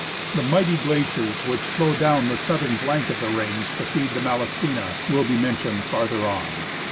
The mighty glaciers which flow down the southern flank of the range to feed tlie Malaspina will be mentioned farther on.